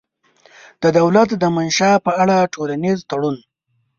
د دولت د منشا په اړه ټولنیز تړون